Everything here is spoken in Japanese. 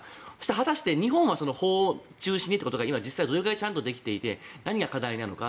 果たして日本は法を中心にということが今、実際にどれくらいちゃんとできていて何が課題なのか。